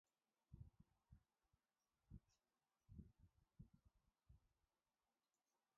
بفتية باصطباح الراح حذاق